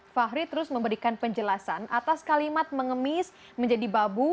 fahri terus memberikan penjelasan atas kalimat mengemis menjadi babu